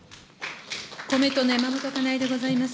公明党の山本香苗でございます。